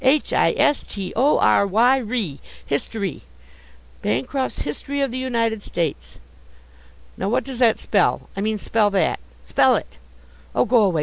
H i s t o r y ry, history; Bancroft's History of the United States! Now what does that spell? I mean, spell that! Spell it! Oh, go away!